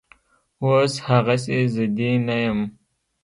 اوس هغسې ضدي نه یم